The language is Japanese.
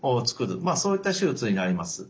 まあそういった手術になります。